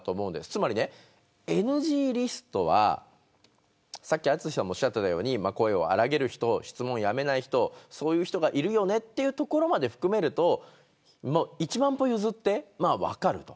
つまりＮＧリストはさっき淳さんもおっしゃっていたように声を荒げる人、質問やめない人がいるよねというところまで含めると１万歩譲って分かると。